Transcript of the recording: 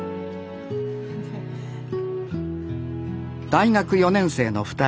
大学４年生の２人。